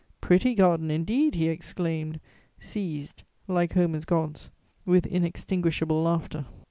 "Pretty garden, indeed!" he exclaimed, seized, like Homer's gods, with inextinguishable laughter.